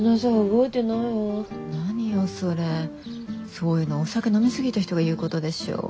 そういうのお酒飲み過ぎた人が言うことでしょ？